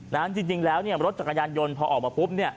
จริงแล้วเนี่ยรถจักรยานยนต์พอออกมาปุ๊บเนี่ย